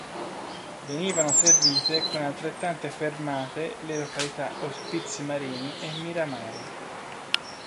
Venivano servite con altrettante fermate le località Ospizi Marini e Miramare.